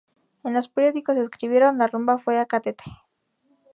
En los periódicos escribieron: "La rumba fue a Catete".